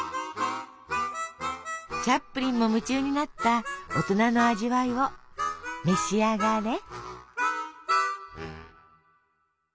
チャップリンも夢中になった大人の味わいを召し上がれ。